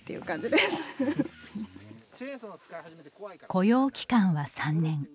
雇用期間は３年。